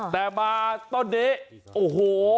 แต่มาต้นนี้โอ้โห